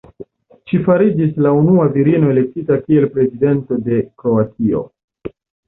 Ŝi fariĝis la unua virino elektita kiel prezidento de Kroatio.